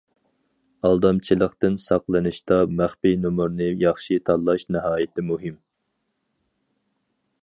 ئالدامچىلىقتىن ساقلىنىشتا مەخپىي نومۇرنى ياخشى تاللاش ناھايىتى مۇھىم.